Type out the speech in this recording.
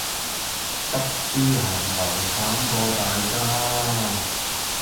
執輸行頭,慘過敗家